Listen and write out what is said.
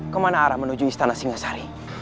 kemana arah menuju istana singasari